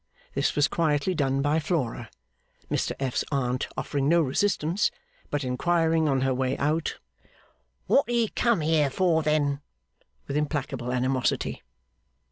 This was quietly done by Flora; Mr F.'s Aunt offering no resistance, but inquiring on her way out, 'What he come there for, then?' with implacable animosity.